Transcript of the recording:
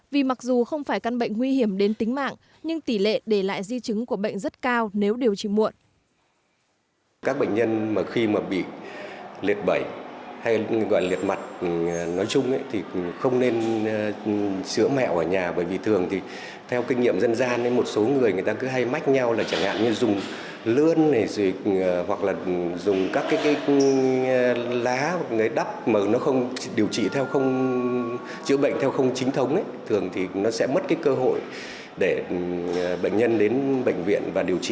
vì mặc dù không phải căn bệnh nguy hiểm đến tính mạng nhưng tỷ lệ để lại di chứng của bệnh rất cao nếu điều trị muộn